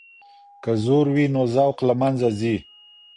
که زور وي نو ذوق له منځه ځي.